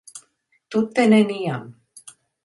Tute neniam.